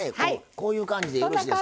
こういう感じでよろしいですか？